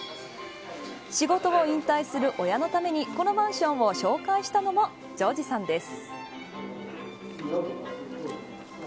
仕事を引退する親のためにこのマンションを紹介したのも穣児さんです。